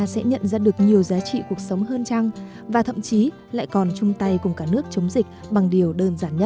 sẽ nhận ra được nhiều giá trị cuộc sống hơn trăng và thậm chí lại còn chung tay cùng cả nước chống dịch bằng điều đơn giản nhất